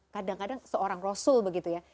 kadang kadang seorang rasul begitu ya